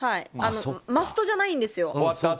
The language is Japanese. マストじゃないんですよ。